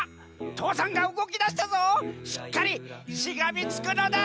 父山がうごきだしたぞしっかりしがみつくのだ！